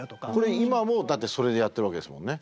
今もだってそれでやってるわけですもんね。